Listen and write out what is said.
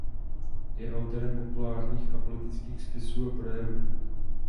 Je autorem populárních a politických spisů a projevů.